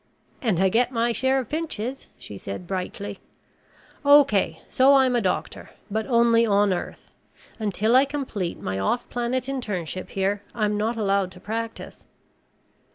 "And I get my share of pinches," she said brightly. "Okay, so I'm a doctor, but only on Earth. Until I complete my off planet internship here, I'm not allowed to practice."